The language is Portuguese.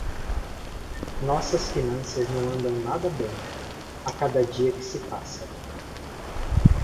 Nossas finanças não andam nada bem, a cada dia que se passa.